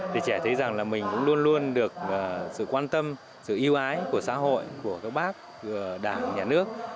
trẻ thấy rằng mình luôn luôn được sự quan tâm sự yêu ái của xã hội của các bác của đảng nhà nước